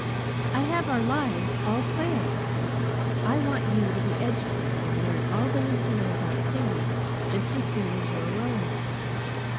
I have our lives all planned. I want you to be educated and learn all there is to know about singing, just as soon as you are well enough.